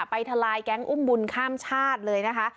ทลายแก๊งอุ้มบุญข้ามชาติเลยนะคะ